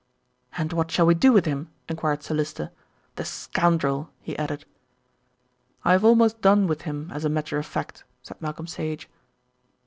"And what shall we do with him?" enquired Sir Lyster. "The scoundrel," he added. "I have almost done with him as a matter of fact," said Malcolm Sage.